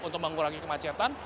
untuk mengurangi kemacetan